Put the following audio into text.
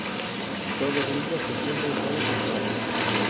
Todo brilla e se funde en cores estrañas.